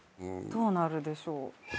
どうなるでしょう。